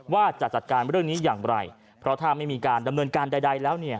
ว่าจะจัดการเรื่องนี้อย่างไรเพราะถ้าไม่มีการดำเนินการใดแล้วเนี่ย